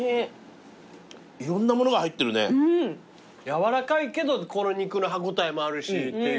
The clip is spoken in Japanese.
軟らかいけどこの肉の歯応えもあるしっていう。